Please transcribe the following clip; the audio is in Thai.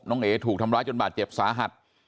เอ๋ถูกทำร้ายจนบาดเจ็บสาหัส